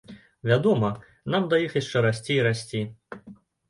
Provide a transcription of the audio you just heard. Вядома, нам да іх яшчэ расці і расці.